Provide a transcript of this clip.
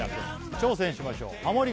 挑戦しましょうハモリ